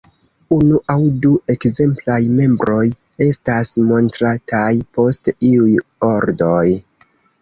Unu aŭ du ekzemplaj membroj estas montrataj post iuj ordoj.